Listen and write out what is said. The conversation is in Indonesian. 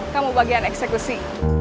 kamu bagian eksekusi